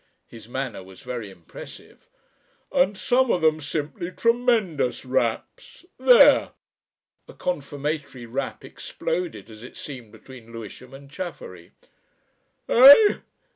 His manner was very impressive. "And some of them simply tremendous raps. There!" A confirmatory rap exploded as it seemed between Lewisham and Chaffery. "_Eh?